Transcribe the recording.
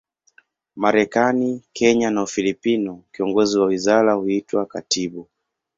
Marekani, Kenya na Ufilipino, kiongozi wa wizara huitwa katibu.